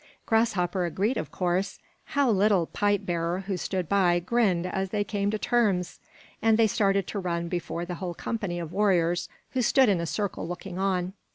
Grasshopper agreed, of course how little Pipe bearer, who stood by, grinned as they came to terms! and they started to run before the whole company of warriors who stood in a circle looking on.